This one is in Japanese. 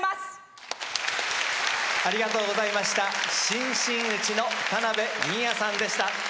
新真打の田辺銀冶さんでした。